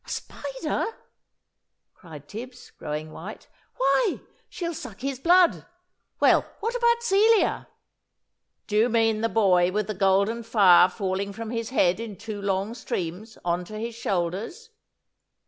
"A Spider!" cried Tibbs, growing white. "Why, she'll suck his blood. Well, what about Celia?" "Do you mean the boy with the golden fire falling from his head in two long streams, on to his shoulders?"